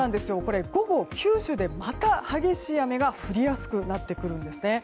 午後、九州でまた激しい雨が降りやすくなってくるんです。